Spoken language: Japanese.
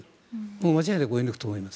間違いなく追い抜くと思います。